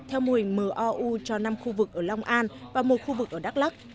theo mô hình mou cho năm khu vực ở long an và một khu vực ở đắk lắc